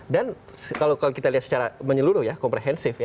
dan kalau kita lihat secara menyeluruh komprehensif